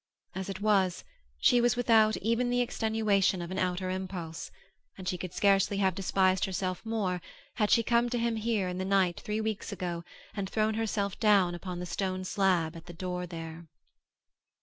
As it was, she was without even the extenuation of an outer impulse, and she could scarcely have despised herself more had she come to him here in the night three weeks ago and thrown herself down upon the stone slab at the door there.